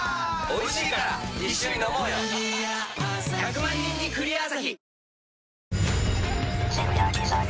１００万人に「クリアアサヒ」